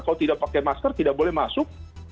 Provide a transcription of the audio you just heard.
kalau tidak pakai masker tidak boleh masuk